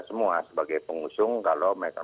semua sebagai pengusung kalau